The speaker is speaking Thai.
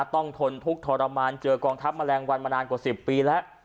ทนทุกข์ทรมานเจอกองทัพแมลงวันมานานกว่า๑๐ปีแล้ว